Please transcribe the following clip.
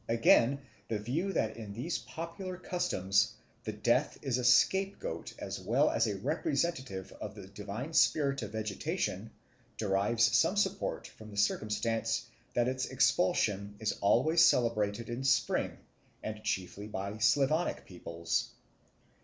Again, the view that in these popular customs the Death is a scapegoat as well as a representative of the divine spirit of vegetation derives some support from the circumstance that its expulsion is always celebrated in spring and chiefly by Slavonic peoples.